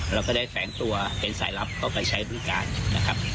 เราก็ได้แฝงตัวเป็นสายลับเข้าไปใช้บริการนะครับ